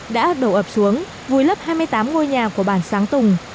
đã đổ ập xuống vùi lấp hai mươi tám ngôi nhà của bản sáng tùng